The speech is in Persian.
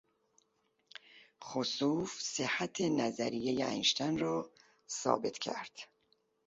خسوف صحت نظریهی انشتین را ثابت کرد.